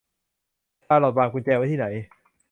ชาลอตวางกุญแจไว้ที่ไหน